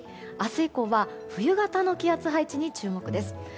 明日以降は冬型の気圧配置に注目です。